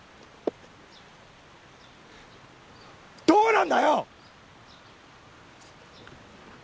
どうなんだよ！